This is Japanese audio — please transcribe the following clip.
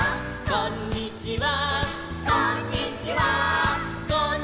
「こんにちは」「」